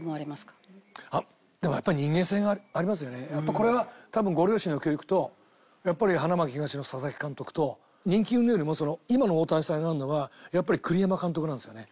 やっぱこれは多分ご両親の教育とやっぱり花巻東の佐々木監督と人気うんぬんよりも今の大谷さんがあるのはやっぱり栗山監督なんですよね。